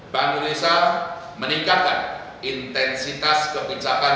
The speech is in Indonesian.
bank indonesia meningkatkan intensitas kebijakan